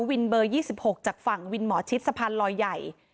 วินเบอร์๒๖จากฝั่งวินหมอชิดสะพานลอยใหญ่